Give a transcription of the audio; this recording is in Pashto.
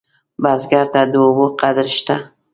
بزګر ته د اوبو قدر شته